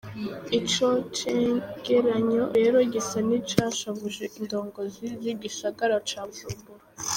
Ico cegeranyo rero gisa n'icashavuje indongozi z'igisagara ca Bujumbura.